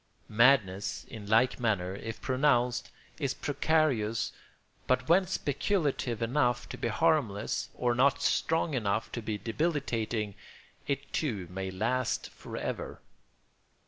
Madness, in like manner, if pronounced, is precarious, but when speculative enough to be harmless or not strong enough to be debilitating, it too may last for ever.